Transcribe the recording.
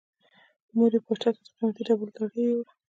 مور یې پاچا ته د قیمتي ډبرو ډالۍ یووړه.